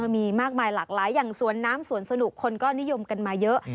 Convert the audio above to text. มีมากมายหลากหลายอย่างสวนน้ำสวนสนุกคนก็นิยมกันมาเยอะ